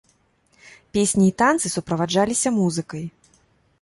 Песні і танцы суправаджаліся музыкай.